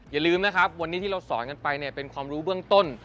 อย่าลืมนะครับวันนี้ที่เราสอนกันไปเนี่ยเป็นความรู้เบื้องต้น